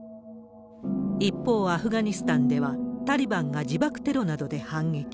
一方、アフガニスタンでは、タリバンが自爆テロなどで反撃。